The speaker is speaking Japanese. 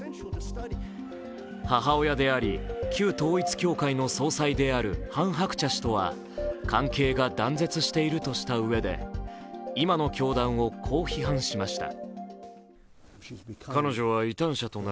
母親であり、旧統一教会の総裁であるハン・ハクチャ氏とは関係が断絶しているとしたうえで、今の教団をこう批判しました。